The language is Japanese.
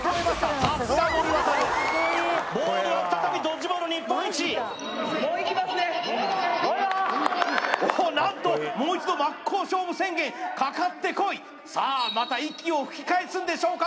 さすが森渉ボールは再びドッジボール日本一何ともう一度真っ向勝負宣言かかってこいさあまた息を吹き返すんでしょうか